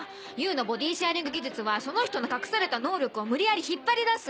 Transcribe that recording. Ｕのボディシェアリング技術はその人の隠された能力を無理やり引っ張り出す！